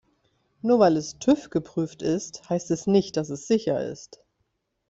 Nur weil es TÜV-geprüft ist, heißt es nicht, dass es sicher ist.